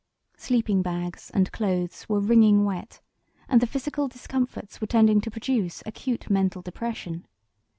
Sleeping bags and clothes were wringing wet, and the physical discomforts were tending to produce acute mental depression.